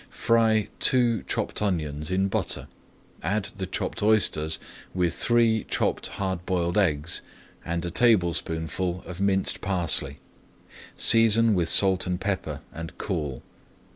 Fry two chopped onions in butter, add the chopped oysters with three chopped hard boiled eggs and a tablespoonful of minced parsley. Season with salt and pepper and cool.